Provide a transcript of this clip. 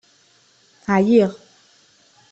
Ɛyiɣ.